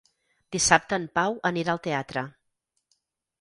Dissabte en Pau anirà al teatre.